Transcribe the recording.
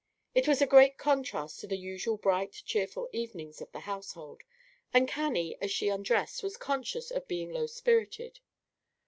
It was a great contrast to the usual bright, cheerful evenings of the household; and Cannie, as she undressed, was conscious of being low spirited.